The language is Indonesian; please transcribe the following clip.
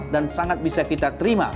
sangat bisa kita terima